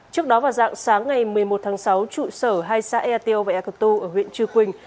trước đó vào dạng sáng ngày một mươi một tháng sáu trụ sở hai xã ateo và ekoto ở huyện trư quynh